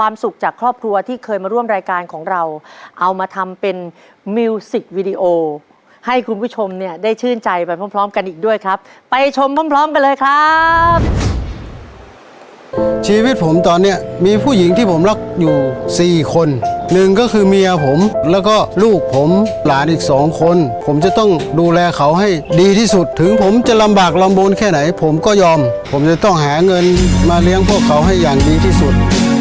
ชีวิตพร้อมกันเลยครับชีวิตผมตอนเนี้ยมีผู้หญิงที่ผมรักอยู่สี่คนหนึ่งก็คือเมียผมแล้วก็ลูกผมหลานอีกสองคนผมจะต้องดูแลเขาให้ดีที่สุดถึงผมจะลำบากลำบลแค่ไหนผมก็ยอมผมจะต้องหาเงินมาเลี้ยงพวกเขาให้อย่างดีที่สุด